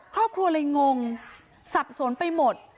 ครอบครัวเลยงงสับสนไปหมด